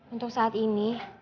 untuk saat ini